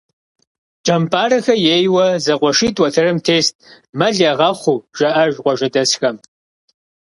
КӀэмпӀарэхэ ейуэ зэкъуэшитӀ уэтэрым тест, мэл ягъэхъуу, жаӀэж къуажэдэсхэм.